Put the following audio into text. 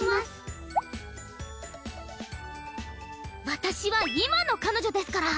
私は今の彼女ですから！